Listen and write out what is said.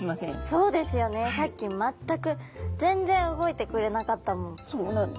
そうですよねさっき全く全然動いてくれなかったもん。